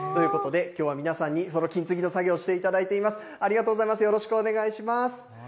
ということで、きょうは皆さんにその金継ぎの作業をしていただいています。